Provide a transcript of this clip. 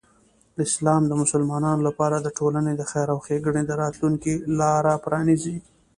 اسلام د مسلمانانو لپاره د ټولنې د خیر او ښېګڼې د راتلوونکی لاره پرانیزي.